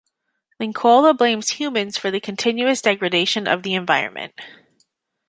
Linkola blames humans for the continuous degradation of the environment.